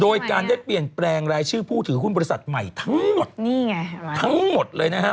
โดยการได้เปลี่ยนแปลงรายชื่อผู้ถือขุนบริษัทใหม่ทั้งหมด